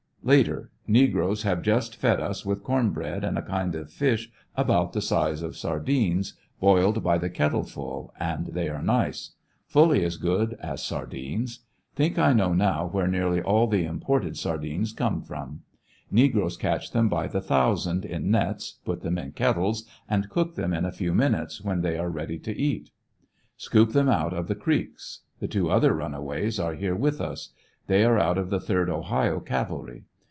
Latek.— Negroes have just fed us with corn bread and a kind of fish about the size of sardines, boiled by the kettle full, and they are nice. Fully as good as sar dines. Think I know now where nearly all the imported sardines come from. Negroes catch them by the thousand, in nets, put them in kettles, and cook them a few minutes, when they are ready to eat. Scoop them out of the creeks. The two other runaways are here with us. They are out of the 8d Ohio Cavalry.